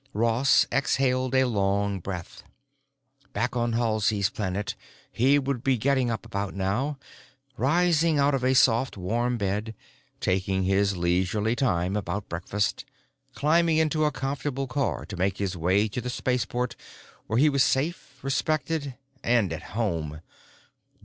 Ross exhaled a long breath. Back on Halsey's Planet he would be getting up about now, rising out of a soft, warm bed, taking his leisurely time about breakfast, climbing into a comfortable car to make his way to the spaceport where he was safe, respected, and at home....